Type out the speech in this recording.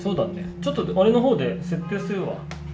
ちょっと俺の方で設定するわ。